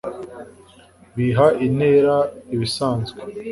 biha intera ibisanzwe